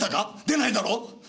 出ないだろ？